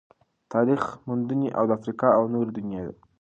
تاريخي موندنې او د افريقا او نورې دنيا